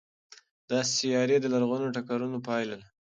دا سیارې د لرغونو ټکرونو پایله ده.